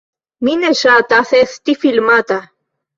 Mi ne ŝatas esti filmata